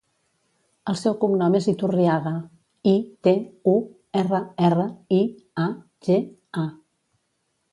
El seu cognom és Iturriaga: i, te, u, erra, erra, i, a, ge, a.